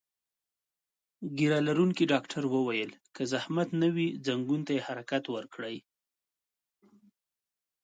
ږیره لرونکي ډاکټر وویل: که زحمت نه وي، ځنګون ته یې حرکت ورکړئ.